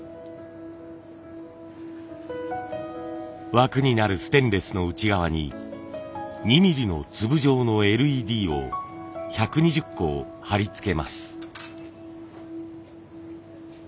枠になるステンレスの内側に２ミリの粒状のＬＥＤを１２０個貼り付けます。